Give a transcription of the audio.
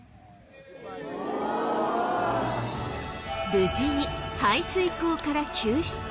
無事に排水溝から救出。